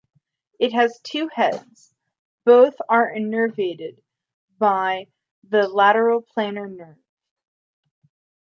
It has two heads, both are innervated by the lateral plantar nerve.